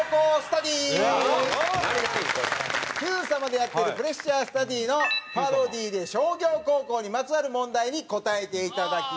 『Ｑさま！！』でやってるプレッシャーＳＴＵＤＹのパロディーで商業高校にまつわる問題に答えていただきます。